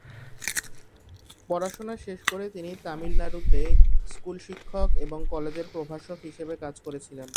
পড়াশোনা শেষ করে তিনি তামিলনাড়ুতে স্কুল শিক্ষক এবং কলেজের প্রভাষক হিসাবে কাজ করেছিলেন।